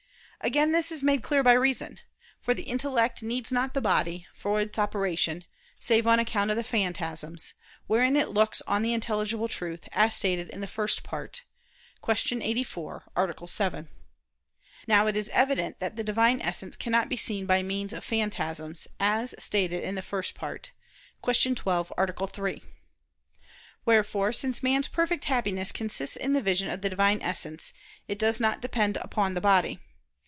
Again this is made clear by reason. For the intellect needs not the body, for its operation, save on account of the phantasms, wherein it looks on the intelligible truth, as stated in the First Part (Q. 84, A. 7). Now it is evident that the Divine Essence cannot be seen by means of phantasms, as stated in the First Part (Q. 12, A. 3). Wherefore, since man's perfect Happiness consists in the vision of the Divine Essence, it does not depend on the body.